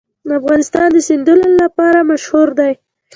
افغانستان د سیندونه لپاره مشهور دی.